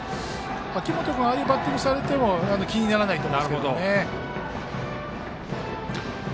秋本君ああいうバッティングされても気にならないと思いますけどね。